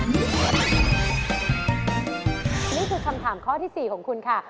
นี่คือคำถามข้อที่๔ของคุณค่ะ